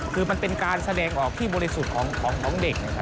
คือมันเป็นการแสดงออกที่บริสุทธิ์ของเด็ก